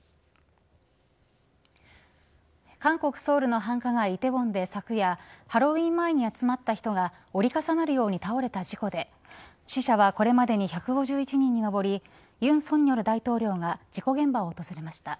韓国ソウルの繁華街梨泰院で昨夜ハロウィーン前に集まった人が折り重なるように倒れた事故で死者はこれまでに１５１人にのぼり尹錫悦大統領が事故現場を訪れました。